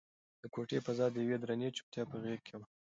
د کوټې فضا د یوې درنې چوپتیا په غېږ کې وه.